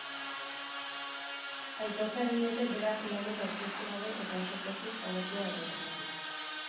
Aitortza egin diote berak lanik aurkeztu gabe eta oso pozik agertu da horregatik.